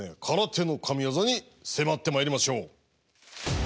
空手の神技に迫ってまいりましょう。